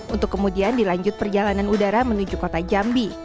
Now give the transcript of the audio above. untuk kemudian dilanjut perjalanan udara menuju kota jambi